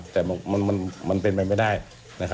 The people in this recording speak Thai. แต่มันเป็นไปไม่ได้